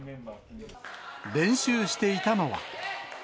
練習していたのは。